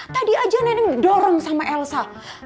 tadi aja neneng didorong sama elsa